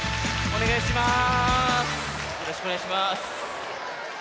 おねがいします。